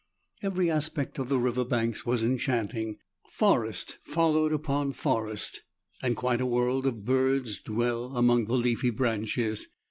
Every aspect of the river banks was enchanting ; forest followed upon forest, and quite a world of birds dwell among the leafy branches.